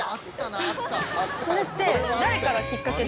それって。